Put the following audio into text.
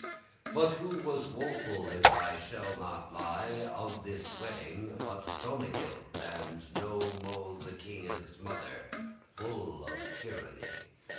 But who was woeful, if I shall not lie, Of this wedding but Donegild, and no mo', The kinge's mother, full of tyranny?